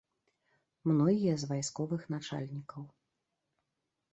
Многія з вайсковых начальнікаў.